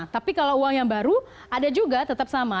tapi kalau uang yang baru ada juga tetap sama